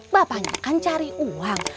bapaknya kan cari uang